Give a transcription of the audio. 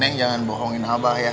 meng jangan bohongin abah ya